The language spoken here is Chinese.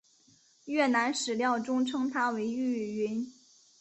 越南史料中称她为玉云。